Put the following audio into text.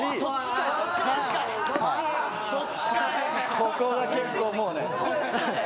ここが結構もうね。